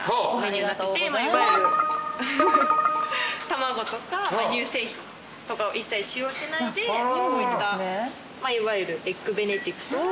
卵とか乳製品とかを一切使用してないでこういったいわゆるエッグベネディクトを。